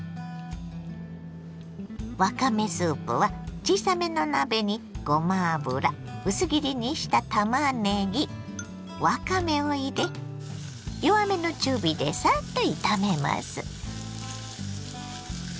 わかめスープは小さめの鍋にごま油薄切りにしたたまねぎわかめを入れ弱めの中火でサッと炒めます。